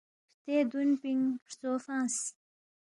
ہرتے دُون پِنگ ہرژو فنگس